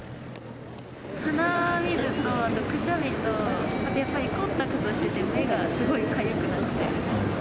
鼻水とあとくしゃみと、あとやっぱりコンタクトしてて、目がすごいかゆくなっちゃいます。